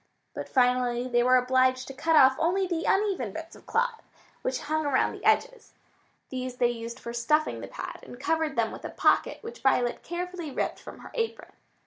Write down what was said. But finally they were obliged to cut off only the uneven bits of cloth which hung around the edges. These they used for stuffing for the pad, and covered them with a pocket which Violet carefully ripped from her apron.